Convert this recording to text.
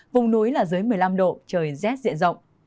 vùng núi là dưới một mươi năm độ trời rét diện rộng